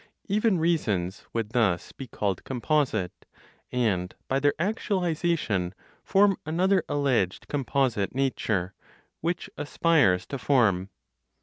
Even reasons would thus be called composite, and by their actualization form another alleged composite, nature, which aspires to form.